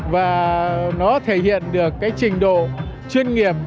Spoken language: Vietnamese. và nó thể hiện được cái trình độ chuyên nghiệp